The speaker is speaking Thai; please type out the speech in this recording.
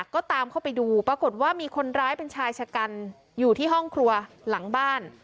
ก็ตามเข้าไปดูปรากฏว่ามีคนร้ายเป็นชายชะกันอยู่ที่ห้องครัวหลังบ้าน